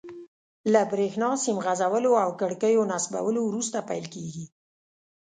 له بریښنا سیم غځولو او کړکیو نصبولو وروسته پیل کیږي.